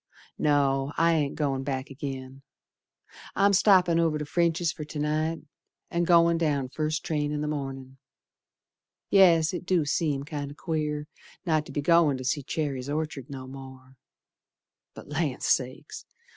No, I ain't goin' back agin. I'm stoppin' over to French's fer to night, And goin' down first train in th' mornin'. Yes, it do seem kinder queer Not to be goin' to see Cherry's Orchard no more, But Land Sakes!